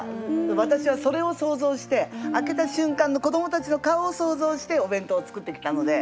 私はそれを想像して開けた瞬間の子どもたちの顔を想像してお弁当を作ってきたので。